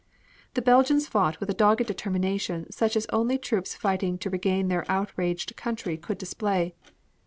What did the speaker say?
The Belgians fought with a dogged determination such as only troops fighting to regain their outraged country could display.